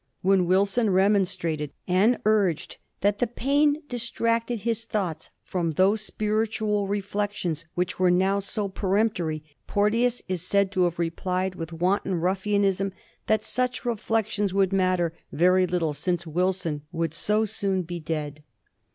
When Wilson remonstrated, and urged that the pain distracted his thoughts from those spiritual reflections which were now so peremptory, Porteous is said to have replied with wan ton ruffianism that such reflections would matter very lit 1736. SCENE AT AN EXECUTION. 61 tie, since Wilson would so soon be dead.